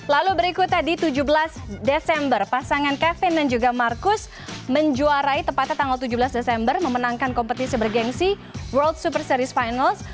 lalu berikut tadi tujuh belas desember pasangan kevin dan juga marcus menjuarai tepatnya tanggal tujuh belas desember memenangkan kompetisi bergensi world super series finals